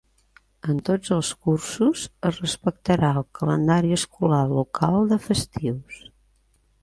En tots els cursos es respectarà el calendari escolar local de festius.